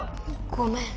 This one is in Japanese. ごめん。